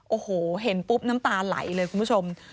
โอ้โหเห็นปุ๊บน้ำตาไหลเลยคุณผู้ชม